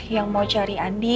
yang mau cari andi